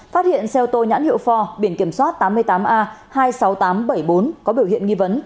phát hiện xe ô tô nhãn hiệu for biển kiểm soát tám mươi tám a hai mươi sáu nghìn tám trăm bảy mươi bốn có biểu hiện nghi vấn